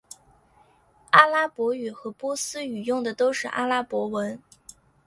阿拉伯语和波斯语用的都是阿拉伯文。